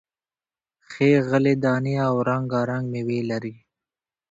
ښې غلې دانې او رنگا رنگ میوې لري،